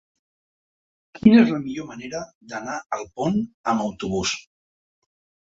Quina és la millor manera d'anar a Alpont amb autobús?